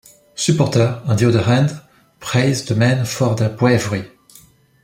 Supporters, on the other hand, praised the men for their bravery.